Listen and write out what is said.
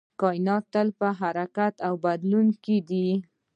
کائنات تل په حرکت او بدلون کې دی